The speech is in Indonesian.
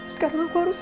sekarang aku harus